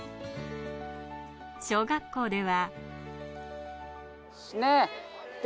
小学校では。